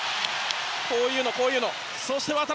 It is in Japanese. こういうの、こういうの！